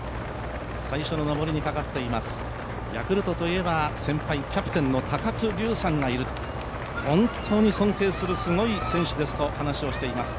最初の上りにかかっています、ヤクルトといえば先輩、キャプテンの高久龍さんがいる、本当に尊敬するすごい選手ですと話をしています。